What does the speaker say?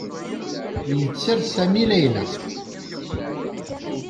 Yetter Sami Layla.